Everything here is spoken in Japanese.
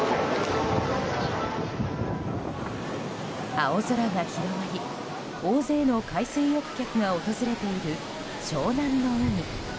青空が広がり、大勢の海水浴客が訪れている湘南の海。